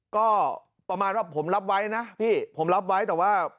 ก็ประมาณว่าผมรับไว้นะพี่ผมรับไว้แต่ว่า